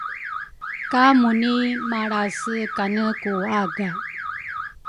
ka Muni malrase kane ku aga.